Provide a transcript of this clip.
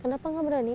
kenapa gak berani